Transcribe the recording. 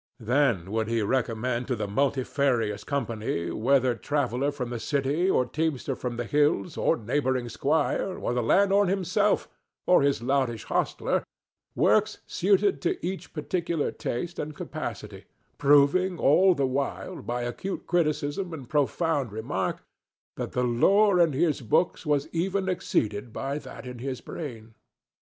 Then would he recommend to the multifarious company, whether traveller from the city, or teamster from the hills, or neighboring squire, or the landlord himself, or his loutish hostler, works suited to each particular taste and capacity, proving, all the while, by acute criticism and profound remark, that the lore in his books was even exceeded by that in his brain.